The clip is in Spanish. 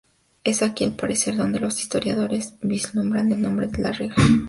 Es aquí, al parecer, donde los historiadores vislumbran el nombre de Regla.